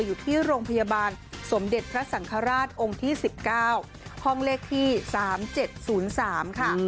อยู่ที่โรงพยาบาลสมเด็จพระสังฆราชองค์ที่๑๙ห้องเลขที่๓๗๐๓ค่ะ